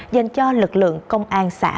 dành cho lực lượng công an xã